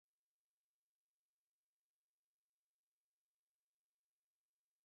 روز McGowan کا فلم ساز الیگزینڈر پائنے پرجنسی استحصال کا الزام